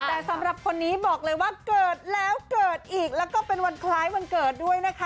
แต่สำหรับคนนี้บอกเลยว่าเกิดแล้วเกิดอีกแล้วก็เป็นวันคล้ายวันเกิดด้วยนะคะ